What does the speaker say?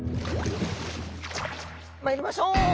まいりましょう！